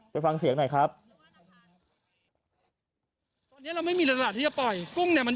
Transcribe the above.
ไปฟังเสียงหน่อยครับ